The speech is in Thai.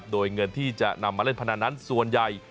โดยเงินที่จะนำมาเล่นพนันนั้นส่วนใหญ่